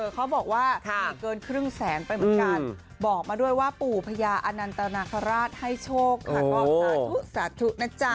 เขาบอกว่ามีเกินครึ่งแสนไปเหมือนกันบอกมาด้วยว่าปู่พญาอนันตนาคาราชให้โชคค่ะก็สาธุสาธุนะจ๊ะ